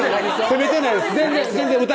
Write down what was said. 責めてないです